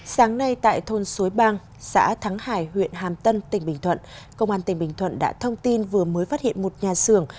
sáng nay tại thôn suối bang xã thắng hải huyện hàm tân tỉnh bình thuận công an tỉnh bình thuận đã thông tin vừa mới phát hiện một nhà xưởng